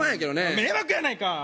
迷惑やないか！